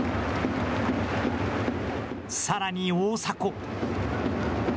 さらに大迫。